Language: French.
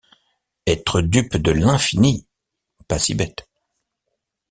Être dupe de l’infini! pas si bête.